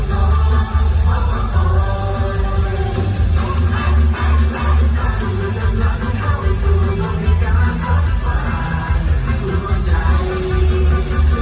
ผมแอบแอบรักเธอเพื่อนมันเข้าสู่โลกมีการขอบความรักใจ